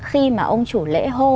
khi mà ông chủ lễ hô